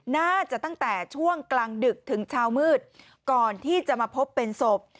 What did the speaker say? น่าจะตั้งแต่ช่วงกลางดึกถึงเช้ามืดก่อนที่จะมาพบเป็นศพ